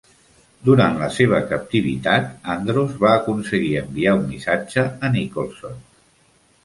Durant la seva captivitat Andros va aconseguir enviar un missatge a Nicholson.